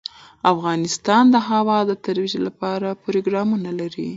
افغانستان د هوا د ترویج لپاره پروګرامونه لري.